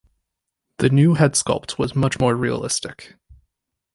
The new head sculpt was much more realistic.